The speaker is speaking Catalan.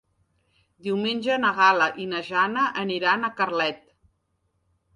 Diumenge na Gal·la i na Jana aniran a Carlet.